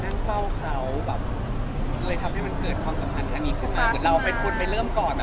น่าจะไม่ทราบนะค่ะที่บอกว่าทุกคนรู้หมายถึงพนักงานในร้านเท่านั้นค่ะ